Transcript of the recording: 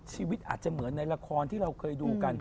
ชีวิตอาจจะเหมือนในละครที่เราเคยดูกัน